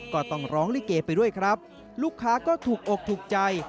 ก็ต้องร้องลิเกไปด้วยครับลูกค้าก็ถูกอกถูกใจ